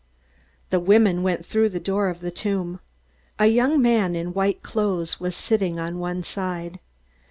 The women went through the door of the tomb. A young man in white clothes was sitting on one side.